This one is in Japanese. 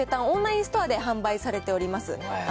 オンラインストアで販売されております。